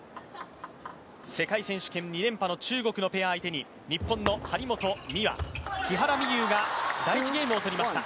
世界選手権２連覇の中国のペア相手に、日本の張本美和、木原美悠が第１ゲームを取りました。